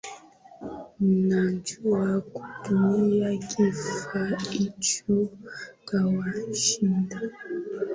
Mnajua kutumia kifaa hicho kawashinda